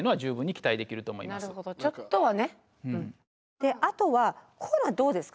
であとはこういうのはどうですか？